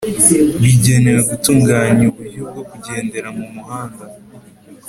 bigenewe gutunganya uburyo bwo kugendera mu muhanda